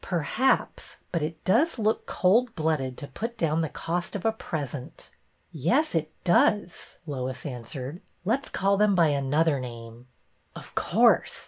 Per haps; but it looks cold blooded to put down the cost of a present." ''Yes, it does," Lois answered. "Let's call them by some other name." " Of course